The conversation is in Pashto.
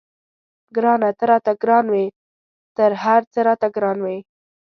ګرانه ته راته ګران وې تر هر څه راته ګران وې.